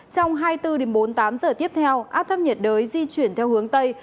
trong hai mươi bốn bốn mươi tám giờ tiếp theo áp thấp nhiệt đới di chuyển theo hướng tây